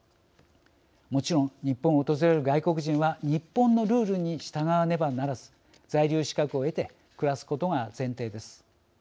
もちろん、日本を訪れる外国人は日本のルールに従わねばならず在留資格を得て暮らすことが前提です。